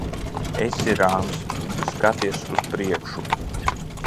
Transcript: Esi rāms. Skaties uz priekšu.